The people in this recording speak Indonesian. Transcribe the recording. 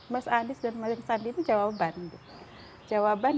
mas anis dan mas andi itu jawaban